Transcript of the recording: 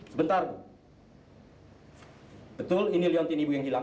sebentar betul ini liontin ibu yang hilang